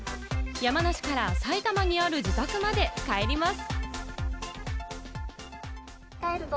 山梨から埼玉にある自宅まで帰ります。